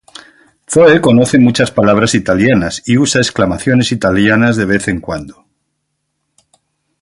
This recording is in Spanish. Zoe conoce muchas palabras italianas y usa exclamaciones italianas de vez en cuando.